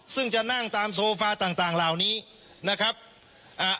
ซึ่งจะนั่งตามโซฟาต่างต่างเหล่านี้นะครับอ่า